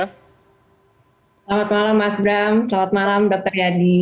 selamat malam mas bram selamat malam dr yadi